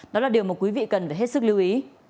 đó là điều mà quý vị cần phải hết sức lưu ý